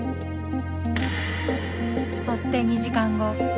そして２時間後。